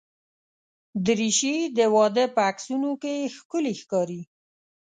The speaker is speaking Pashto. دریشي د واده په عکسونو کې ښکلي ښکاري.